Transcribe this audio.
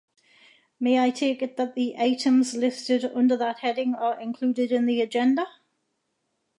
May I take it that the items listed under that heading are included in the agenda?